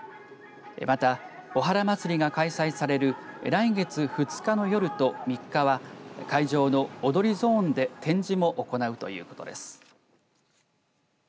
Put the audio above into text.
また、おはら祭が開催される来月２日の夜と３日は会場の踊りゾーンで展示も行うということです。